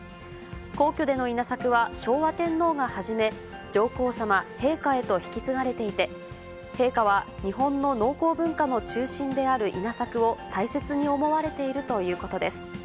皇居での稲作は、昭和天皇が始め、上皇さま、陛下へと引き継がれていて、陛下は、日本の農耕文化の中心である稲作を大切に思われているということです。